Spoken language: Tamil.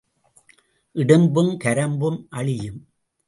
இடும்பும் கரம்பும் அழியும்.